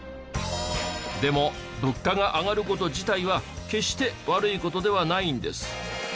でも物価が上がる事自体は決して悪い事ではないんです。